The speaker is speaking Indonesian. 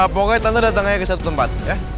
pokoknya tante datang aja ke satu tempat ya